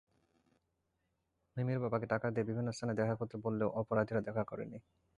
মিমির বাবাকে টাকা নিয়ে বিভিন্ন স্থানে দেখা করতে বললেও অপরাধীরা দেখা করেনি।